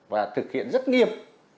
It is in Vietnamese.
và thực hiện rất nghiêm